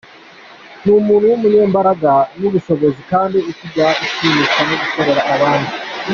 Ni umuntu w’umunyembaraga n’ubushobozi kandi utajya ushimishwa no gukorera abandi.